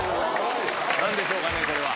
なんでしょうかね、これは。